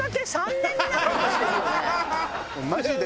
マジで。